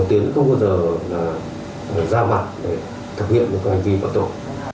tiến cũng không bao giờ ra mặt để thực hiện một cái hành vi hoạt động